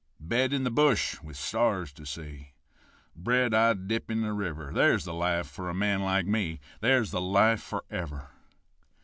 Bed in the bush with stars to see, Bread I dip in the river There's the life for a man like me, There's the life for ever.